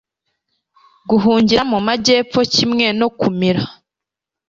Guhungira mu majyepfo kimwe no kumira